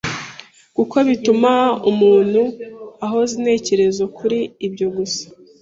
kuko bituma umuntu ahoza intekerezo kuri ibyo gusa.